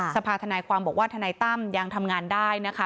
สภาธนายความบอกว่าทนายตั้มยังทำงานได้นะคะ